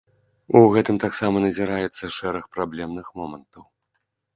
У гэтым таксама назіраецца шэраг праблемных момантаў.